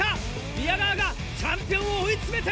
宮川がチャンピオンを追い詰めています！